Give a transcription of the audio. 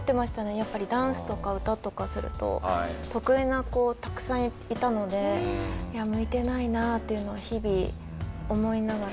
やっぱりダンスとか歌とかすると得意な子たくさんいたので向いてないなあっていうのは日々思いながら。